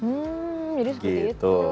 hmm jadi seperti itu